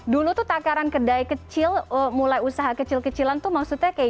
dulu tuh takaran kedai kecil mulai usaha kecil kecilan tuh maksudnya kayak